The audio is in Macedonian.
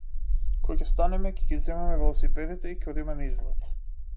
Кога ќе станеме ќе ги земеме велосипедите и ќе одиме на излет.